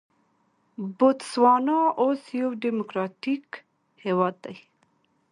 بوتسوانا اوس یو ډیموکراټیک هېواد دی.